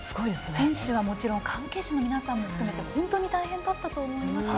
選手はもちろん関係者の皆さんも含めて本当に大変だったと思います。